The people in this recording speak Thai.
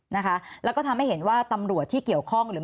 นะคะแล้วก็ทำให้เห็นว่าตำรวจที่เกี่ยวข้องหรือ